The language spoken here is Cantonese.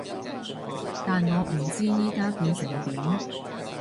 但我唔知而家變成點